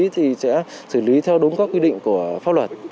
thì sẽ xử lý theo đúng các quy định của pháp luật